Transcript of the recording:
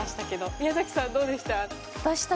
宮さんどうでした？